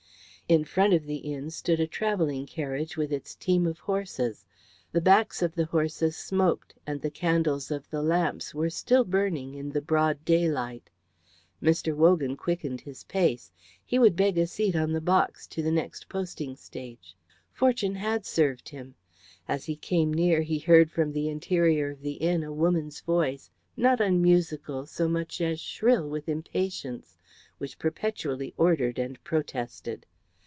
In front of the inn stood a travelling carriage with its team of horses. The backs of the horses smoked, and the candles of the lamps were still burning in the broad daylight. Mr. Wogan quickened his pace. He would beg a seat on the box to the next posting stage. Fortune had served him. As he came near he heard from the interior of the inn a woman's voice, not unmusical so much as shrill with impatience, which perpetually ordered and protested.